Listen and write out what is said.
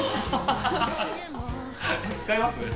使います？